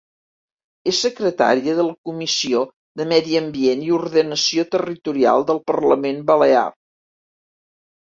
És secretària de la Comissió de Medi Ambient i Ordenació Territorial del Parlament Balear.